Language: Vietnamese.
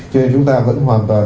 cho nên chúng ta vẫn hoàn toàn